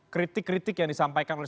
kritik kritik yang disampaikan oleh